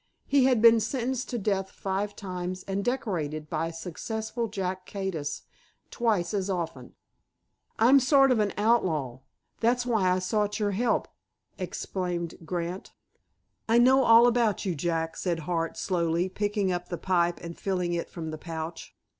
He had been sentenced to death five times, and decorated by successful Jack Cades twice as often. "I'm a sort of outlaw. That's why I sought your help," explained Grant. "I know all about you, Jack," said Hart slowly, picking up the pipe and filling it from the pouch.